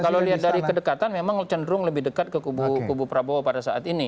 kalau lihat dari kedekatan memang cenderung lebih dekat ke kubu prabowo pada saat ini